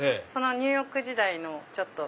ニューヨーク時代の。